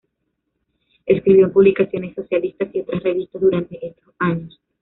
Escribió en publicaciones socialistas y otras revistas durante estos años.